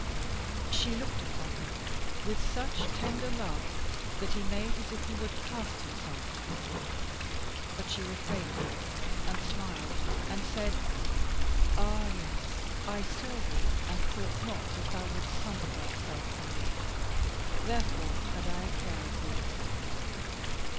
She looked upon him with such tender love that he made as if he would cast himself upon her; but she refrained him, and smiled and said: "Ah, yes, I saw thee, and thought not that thou wouldst sunder thyself from me; therefore had I care of thee."